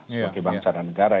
sebagai bangsa dan negara